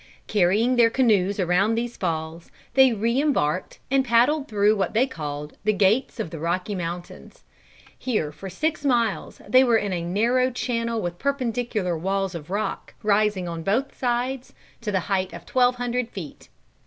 Carrying their canoes around these falls, they re embarked, and paddled through what they called "The Gates of the Rocky Mountains." Here for six miles they were in a narrow channel with perpendicular walls of rock, rising on both sides to the height of twelve hundred feet.